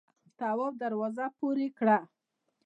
تواب دروازه پورې کړه.